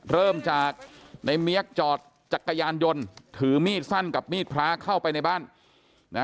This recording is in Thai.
เริ่มจากในเมียกจอดจักรยานยนต์ถือมีดสั้นกับมีดพระเข้าไปในบ้านนะ